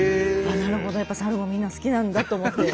なるほどやっぱサルもみんな好きなんだと思って。